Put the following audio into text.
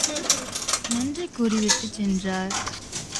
நன்றி கூறி விட்டுச் சென்றார்.